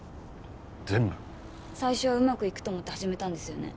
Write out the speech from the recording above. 最初はうまくいくと思って始めたんですよね？